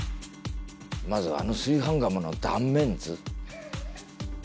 まずあの炊飯釜の断面図。